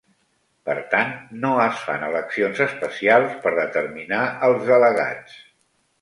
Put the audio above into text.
Per tant, no es fan eleccions especials per determinar els delegats.